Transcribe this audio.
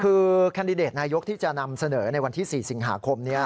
คือแคนดิเดตนายกที่จะนำเสนอในวันที่๔สิงหาคมนี้